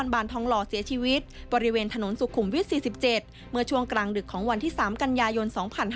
บริเวณถนนสุขุมวิทย์๔๗เมื่อช่วงกลางดึกของวันที่๓กันยายน๒๕๕๕